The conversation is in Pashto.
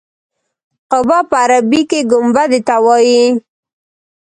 قبه په عربي کې ګنبدې ته وایي.